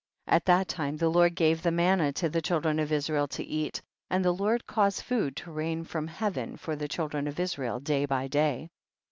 48. At that time the Lord gave the manna to the children of Israel to eat, and the Lord caused food to rain from heaven for the children of Israel day by day.